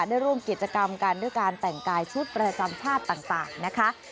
ได้ร่วมกิจกรรมกันด้วยการแต่งกายชุดประจำชาติต่างนะคะ